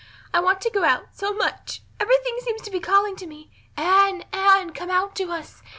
I want to go out so much everything seems to be calling to me, 'Anne, Anne, come out to us.